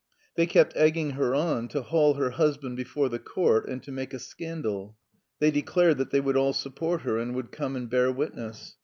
They kept egging her on to haul her husband before the court and to make a scandal. They declared that they would all support her and would come and bear witness.